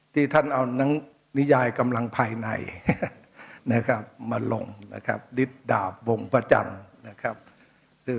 ที่ท่านเอานิยายกำลังภายในมาลงดิศดาบวงพระจันทร์